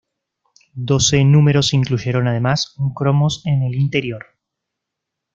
Doce números incluyeron además un cromos en el interior.